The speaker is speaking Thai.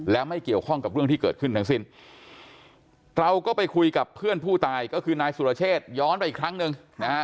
แล้วไม่เกี่ยวข้องกับเรื่องที่เกิดขึ้นทั้งสิ้นเราก็ไปคุยกับเพื่อนผู้ตายก็คือนายสุรเชษย้อนไปอีกครั้งหนึ่งนะฮะ